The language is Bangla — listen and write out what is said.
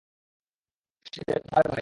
সে দেবকুমারের ভাই।